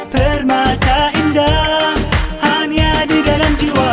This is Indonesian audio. permata indah hanya di dalam jiwa